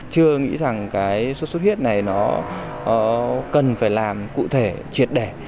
chưa nghĩ rằng cái xuất xuất huyết này nó cần phải làm cụ thể triệt đẻ